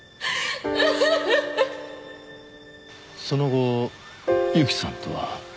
その後侑希さんとは？